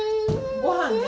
ごはんね。